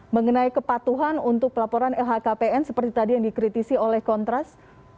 mengenai kepatuhan untuk pelaporan lhkpn seperti tadi yang dikritisi oleh kontras